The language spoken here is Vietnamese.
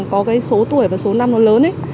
có cái số tuổi và số năm lớn ấy